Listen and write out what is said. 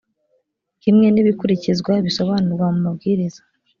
kimwe n ibikurikizwa bisobanurwa mu mabwiriza